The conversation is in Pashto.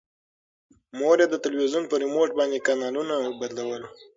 مور یې د تلویزون په ریموټ باندې کانالونه بدلول.